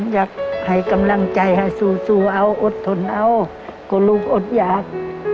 อยากให้กำลังใจให้สู้เอาอดทนเอาก็ลูกอดอยาก